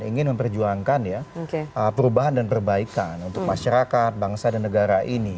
ingin memperjuangkan ya perubahan dan perbaikan untuk masyarakat bangsa dan negara ini